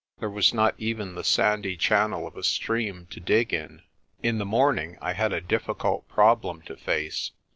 There was not even the sandy channel of a stream to dig in. In the morning I had a difficult problem to face.